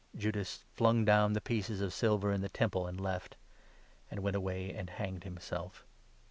Judas flung down the pieces of silver in the Temple, and left ; 5 and went away and hanged himself.